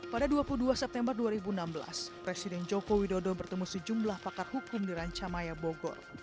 pada dua puluh dua september dua ribu enam belas presiden joko widodo bertemu sejumlah pakar hukum di rancamaya bogor